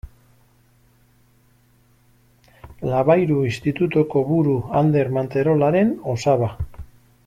Labayru Institutuko buru Ander Manterolaren osaba.